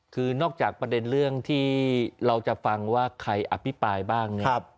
คือนอกจากประเด็นเรื่องที่เราจะฟังว่าใครอภิปรายบ้างเนี่ย